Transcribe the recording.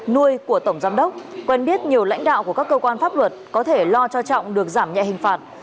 nuôi của tổng giám đốc quen biết nhiều lãnh đạo của các cơ quan pháp luật có thể lo cho trọng được giảm nhẹ hình phạt